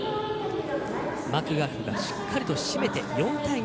マクガフがしっかりと締めて４対２。